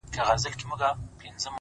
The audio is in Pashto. بلا وهلی يم’ چي تا کوم بلا کومه’